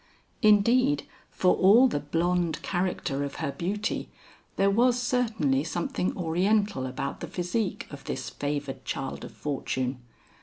Indeed for all the blonde character of her beauty, there was certainly something oriental about the physique of this favored child of fortune.